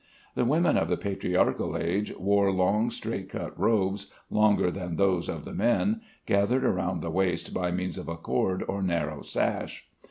The women of the patriarchal age wore long straight cut robes, longer than those of the men, gathered round the waist by means of a cord or narrow sash.